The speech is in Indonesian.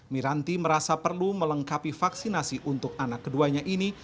miranti merasa perlu melengkapi vaksinasi untuk anak keduanya ini